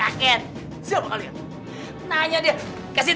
ayo dan beri sayang pergi dari sini